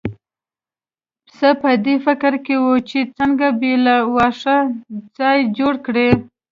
پسه په دې فکر کې و چې څنګه بې له واښو چای جوړ کړي.